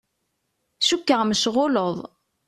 Cukkeɣ mecɣuleḍ.